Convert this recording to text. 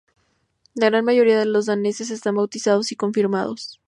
La gran mayoría de los daneses están bautizados y confirmados.